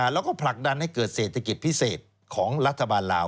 แล้วก็ผลักดันให้เกิดเศรษฐกิจพิเศษของรัฐบาลลาว